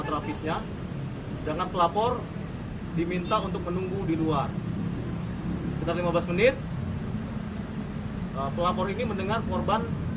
trafisnya sedangkan pelapor diminta untuk menunggu di luar sekitar lima belas menit pelapor ini mendengar korban